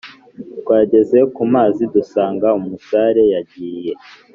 Twageze ku mazi dusanga umusare yagiye